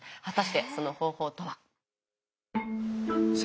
果たしてその方法とは。